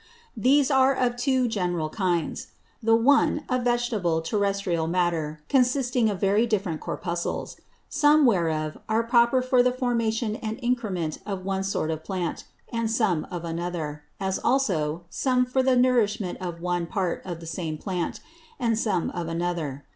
These are of two general kinds. The one a vegetable terrestrial Matter, consisting of very different Corpuscles; some whereof are proper for the formation and increment of one sort of Plant, and some of another; as also some for the Nourishment of one part of the same Plant, and some of another.